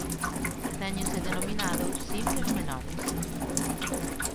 Téñense denominado "simios menores".